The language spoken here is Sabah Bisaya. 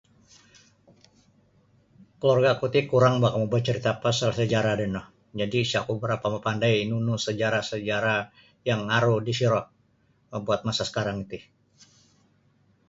Keluarga oku ti kurang ba mo bacarita pasal sajarah ri no jadi isa oku barapa mapandai nunu sajarah-sajarah yang aru di siro buat masa sekarang ti